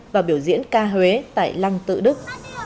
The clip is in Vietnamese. và biểu diễn ca huế tại lăng tự đức